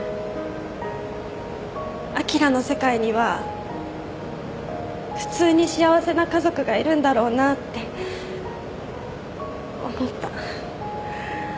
あきらの世界には普通に幸せな家族がいるんだろうなって思った。